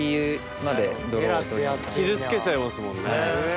傷つけちゃいますもんね。